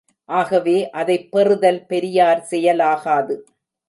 ஆகவே, அதைப் பெறுதல் பெரியார் செயலாகாது.